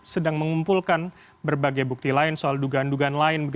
sedang mengumpulkan berbagai bukti lain soal dugaan dugaan lain